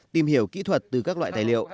tìm hiểu kỹ thuật từ các loại tài liệu